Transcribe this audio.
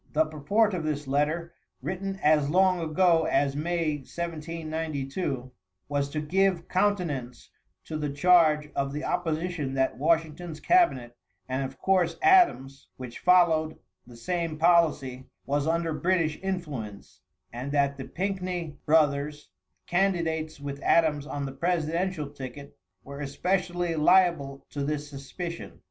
The purport of this letter, written as long ago as May, 1792, was to give countenance to the charge of the opposition that Washington's cabinet, and of course Adams' which followed the same policy, was under British influence; and that the Pickney brothers, candidates with Adams on the presidential ticket, were especially liable to this suspicion.